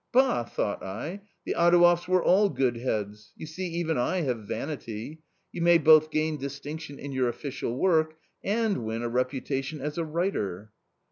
Bah ! thought I, the Adouevs were all good heads ! you see even I have vanity ! You ; may both gain distinction in your official work and win a I reputation as a writer."